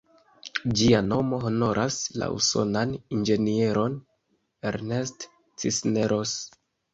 Ĝia nomo honoras la usonan inĝenieron "Ernest Cisneros".